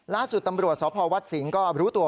ล่าสุดตำรวจสพวัดสิงห์ก็รู้ตัว